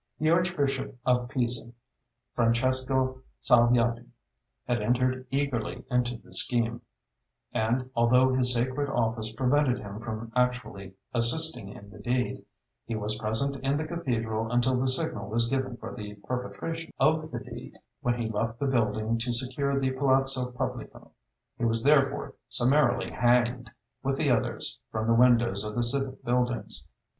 The Archbishop of Pisa, Francesco Salviati, had entered eagerly into the scheme, and, although his sacred office prevented him from actually assisting in the deed, he was present in the cathedral until the signal was given for the perpetration of the deed, when he left the building to secure the Palazzo Publico. He was therefore summarily hanged with the others from the windows of the civic buildings.